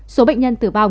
số bệnh nhân tử vong